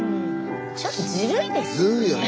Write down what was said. ちょっとずるいですよね。